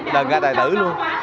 đàn ca tài tử luôn